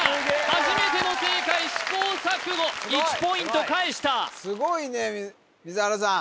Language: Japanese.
初めての正解試行錯誤１ポイント返したすごいね瑞原さん